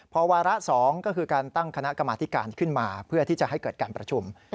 พอวาระ๒ก็คือการตั้งคณะกรรมาธิการขึ้นมาเพื่อที่จะให้เกิดการประชุม